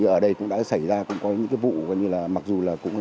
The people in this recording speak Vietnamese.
ở đây cũng đã xảy ra cũng có những vụ